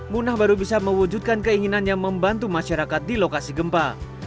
munah baru bisa mewujudkan keinginannya membantu masyarakat di lokasi gempa